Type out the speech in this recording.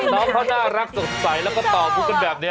น้องเขาน่ารักสดใสแล้วก็ต่อมุกกันแบบนี้